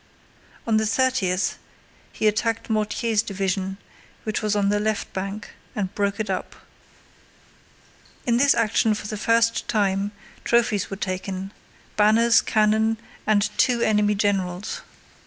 On the thirtieth he attacked Mortier's division, which was on the left bank, and broke it up. In this action for the first time trophies were taken: banners, cannon, and two enemy generals.